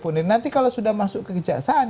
nanti kalau sudah masuk ke kejaksaan